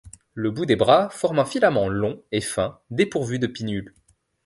Le bout des bras forme un filament long et fin dépourvu de pinnules.